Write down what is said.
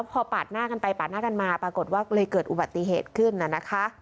พอปาดหน้ากันไปปาดหน้ากันมาปรากฏว่าก็เลยเกิดอุบัติเหตุขึ้นน่ะนะคะ